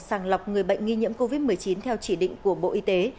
sàng lọc người bệnh nghi nhiễm covid một mươi chín theo chỉ định của bộ y tế